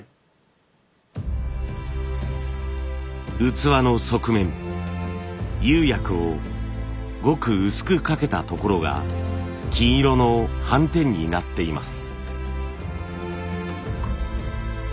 器の側面釉薬をごく薄くかけたところが金色の斑点になっています。